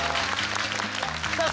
さあ